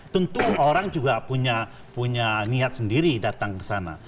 tentu orang juga punya niat sendiri datang ke sana